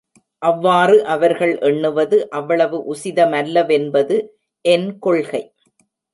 அவ்வாறு அவர்கள் எண்ணுவது அவ்வளவு உசிதமல்ல வென்பது என் கொள்கை.